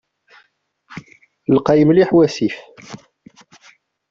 Lqay mliḥ wasif.